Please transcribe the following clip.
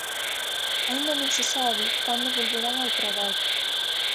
Aínda non se sabe cando volverán ao traballo.